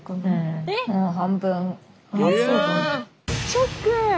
ショック！